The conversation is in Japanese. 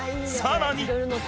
さらに］